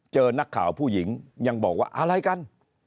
เจอนักข่าวผู้หญิงยังบอกว่าอะไรกัน